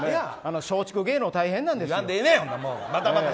松竹芸能って大変なんですよ。